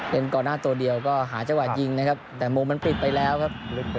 เป็นก่อนหน้าตัวเดียวก็หาจัฬจักรหอยกินแต่มุมมันปิดไปแล้วครับ